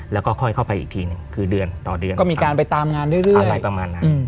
แล้วก็ค่อยเข้าไปอีกทีหนึ่งคือเดือนต่อเดือนก็มีการไปตามงานเรื่อยอะไรประมาณนั้น